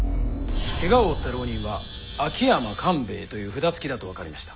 ケガを負った浪人は秋山官兵衛という札つきだと分かりました。